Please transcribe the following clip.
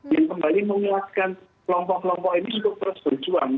yang kembali mengelaskan kelompok kelompok ini cukup bersujuan